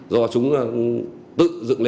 do chúng tự dựng